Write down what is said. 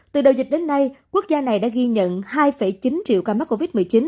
từ đầu dịch đến nay quốc gia này đã ghi nhận hai chín triệu ca mắc covid một mươi chín